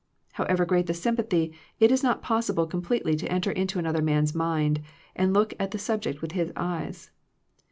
However great the sympathy, it is not possible completely to enter into another man's mind, and look at a subject with his eyes.